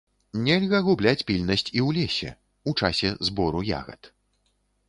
Нельга губляць пільнасць і ў лесе, у часе збору ягад.